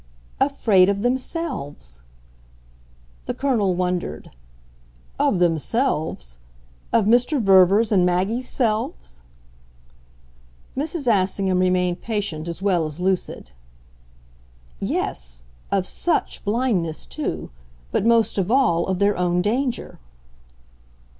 "Afraid of themselves." The Colonel wondered. "Of THEMSELVES? Of Mr. Verver's and Maggie's selves?" Mrs. Assingham remained patient as well as lucid. "Yes of SUCH blindness too. But most of all of their own danger."